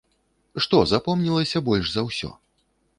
Што запомнілася больш за ўсё?